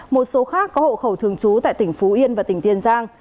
một số khác có hộ khẩu thường trú tại tỉnh phú yên và tỉnh tiền giang